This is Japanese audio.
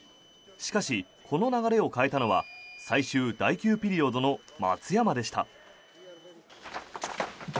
しかし、この流れを変えたのは最終第９ピリオドの松山でした。